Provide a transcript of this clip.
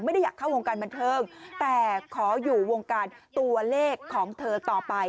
ไม่ได้อยากเข้าวงการบันเทิงแต่ขออยู่วงการตัวเลขของเธอต่อไป